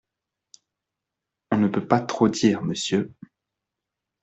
On ne peut pas trop dire, monsieur.